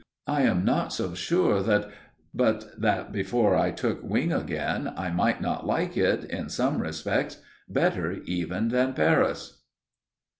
I am not so sure that but that before I took wing again I might not like it, in some respects, better even than Paris.